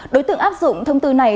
đối tượng áp dụng thông tư này